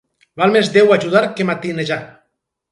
Val més Déu ajudar que matinejar.